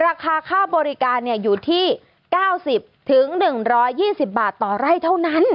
ราคาค่าบริการอยู่ที่๙๐๑๒๐บาทต่อไร่เท่านั้น